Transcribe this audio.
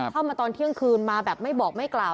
มาตอนเที่ยงคืนมาแบบไม่บอกไม่กล่าว